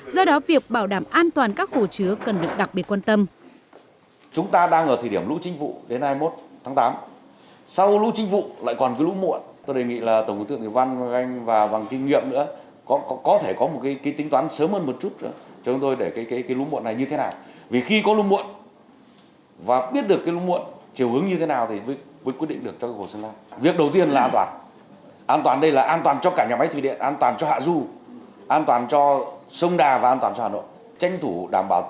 do đó việc bảo đảm an toàn các hồ chứa cần được đặc biệt quan tâm